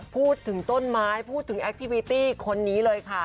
พูดถึงต้นไม้พูดถึงแอคทีวีตี้คนนี้เลยค่ะ